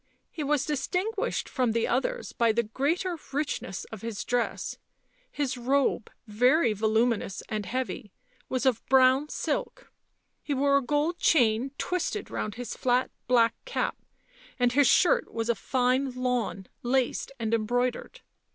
He was distinguished from the others by the greater richness of his dress ; his robe, very voluminous and heavy, was of brown silk; he wore a gold chain twisted round his flat black cap, and his shirt was of fine lawn, laced and embroidered.